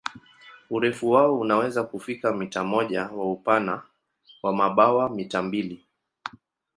Urefu wao unaweza kufika mita moja na upana wa mabawa mita mbili.